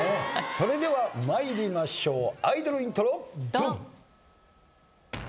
それでは参りましょうアイドルイントロドン！